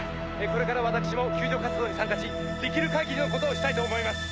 これから私も救助活動に参加しできる限りの事をしたいと思います。